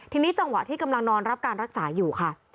ทีนี้จังหวะที่กำลังนอนรับการรักษาอยู่ค่ะ